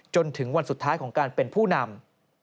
จนถึงวันสุดท้ายของการเป็นผู้นำ